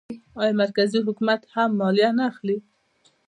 آیا مرکزي حکومت هم مالیه نه اخلي؟